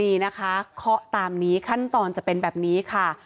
นี่นะคะเคาะตามนี้ขั้นตอนจะเป็นแบบนี้ค่ะ